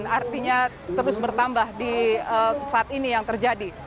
artinya terus bertambah di saat ini yang terjadi